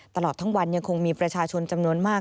ตลอดทั้งวันยังคงมีประชาชนจำนวนมาก